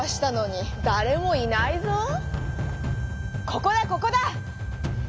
「ここだここだ！